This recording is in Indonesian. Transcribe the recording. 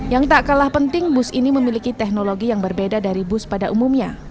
yang tak kalah penting bus ini memiliki teknologi yang berbeda dari bus pada umumnya